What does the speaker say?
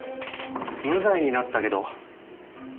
無罪になったけどあれ